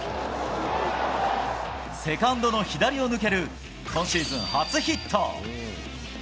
セカンドの左を抜ける、今シーズン初ヒット。